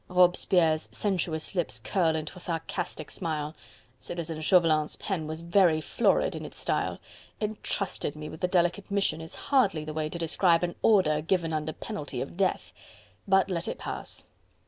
Robespierre's sensuous lips curl into a sarcastic smile. Citizen Chauvelin's pen was ever florid in its style: "entrusted me with the delicate mission," is hardly the way to describe an order given under penalty of death. But let it pass.